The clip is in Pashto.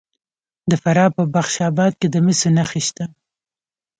د فراه په بخش اباد کې د مسو نښې شته.